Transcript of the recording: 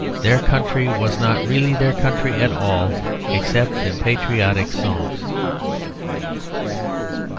Their country was not really their country at all except in patriotic songs."